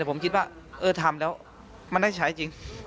แต่ผมคิดว่าเออทำแล้วมันได้ใช้จริง